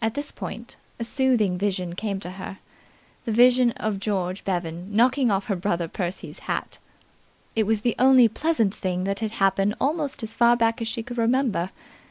At this point a soothing vision came to her the vision of George Bevan knocking off her brother Percy's hat. It was the only pleasant thing that had happened almost as far back as she could remember.